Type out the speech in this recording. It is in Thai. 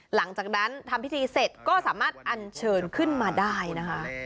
หลังจากนั้นทำพิธีเสร็จก็สามารถอันเชิญขึ้นมาได้นะคะ